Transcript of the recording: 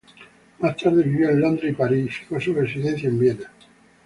Más tarde vivió en Londres y París y fijó su residencia en Viena.